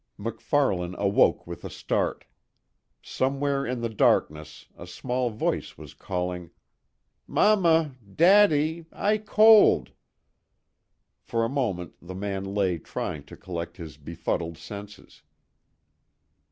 MacFarlane awoke with a start. Somewhere in the darkness a small voice was calling: "Mamma! Daddy! I cold!" For a moment the man lay trying to collect his befuddled senses.